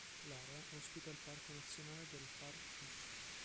L'area ospita il Parco Nazionale dell'Har-Us.